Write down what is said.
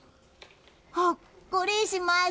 ほっこりします。